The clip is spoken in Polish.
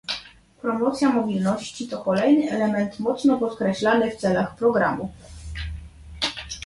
Promocja mobilności to kolejny element mocno podkreślany w celach programu